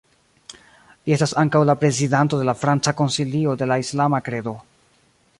Li estas ankaŭ la prezidanto de la Franca Konsilio de la Islama Kredo.